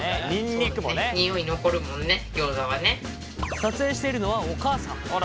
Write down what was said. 撮影しているのはお母さん。